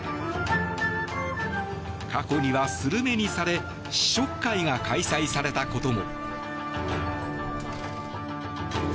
過去にはスルメにされ試食会が開催されたことも。